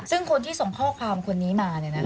ซึ่งคนที่ส่งข้อความคนนี้มาเนี่ยนะคะ